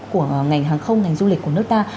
của ngành hàng không ngành du lịch của nước ta